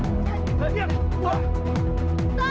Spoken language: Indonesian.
tidak dia sudah kembali